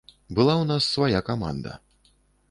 Была ў нас свая каманда.